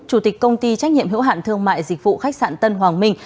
chủ tịch công ty trách nhiệm hữu hạn thương mại dịch vụ khách sạn tân hoàng minh